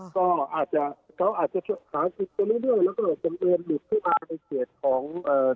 ก็เขาอาจจะหาสิทธิ์ไปเรื่อยแล้วก็จะเริ่มหลุดเข้ามาในเกียรติของ